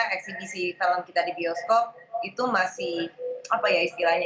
eksibisi talent kita di bioskop itu masih apa ya istilahnya